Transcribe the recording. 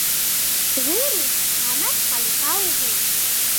ღურუს სამართალი ვაუღუნია